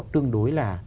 tương đối là